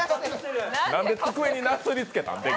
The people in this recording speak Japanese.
なぜ机になすりつけた？